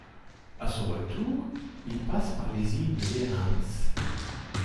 À son retour, il passe par les îles de Lérins.